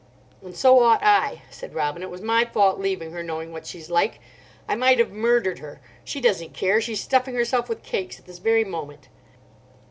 "And so ought I," said Robina; "it was my fault, leaving her, knowing what she's like. I might have murdered her. She doesn't care. She's stuffing herself with cakes at this very moment."